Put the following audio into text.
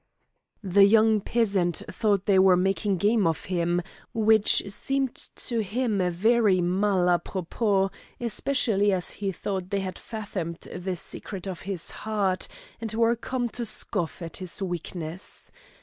The young peasant thought they were making game of him, which seemed to him very mal à propos, especially as he thought they had fathomed the secret of his heart, and were come to scoff at his weakness.